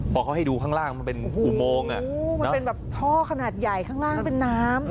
พอเขาให้ดูข้างล่างมันเป็นอุโมงมันเป็นแบบท่อขนาดใหญ่ข้างล่างเป็นน้ำ